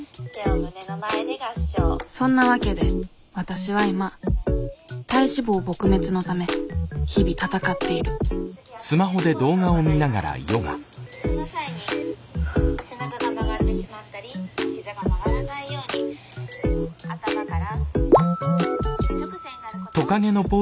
そんなわけでわたしは今体脂肪撲滅のため日々戦っている「その際に背中が曲がってしまったり膝が曲がらないように頭から」。